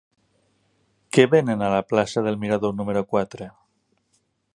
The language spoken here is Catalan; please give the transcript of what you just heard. Què venen a la plaça del Mirador número quatre?